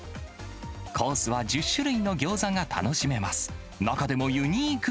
コースは１０種類のギョーザが楽しめます。